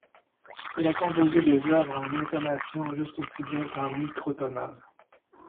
Il a composé des œuvres en intonation juste aussi bien qu'en microtonal.